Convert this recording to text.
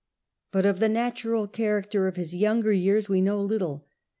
But of the natural character of his younger years we know little.